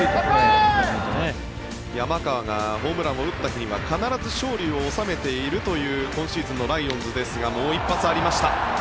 山川がホームランを打った日には必ず勝利を収めているという今シーズンのライオンズですがもう一発ありました。